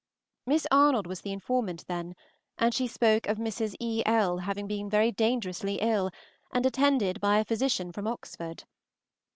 Miss Arnold was the informant then, and she spoke of Mrs. E. L. having been very dangerously ill, and attended by a physician from Oxford.